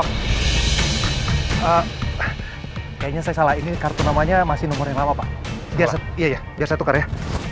kayaknya saya salah ini kartu namanya masih nomor yang lama pak biasa iya biasa tukar ya